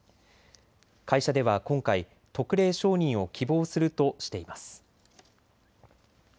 会社では今回、特例承認を希望するとしています。